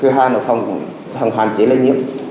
thứ hai là phòng hoàn chế lây nhiễm